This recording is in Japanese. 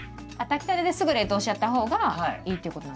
炊きたてですぐ冷凍しちゃったほうがいいっていうこと？